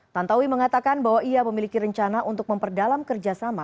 tantowi mengatakan bahwa ia memiliki rencana untuk memperdalam kerjasama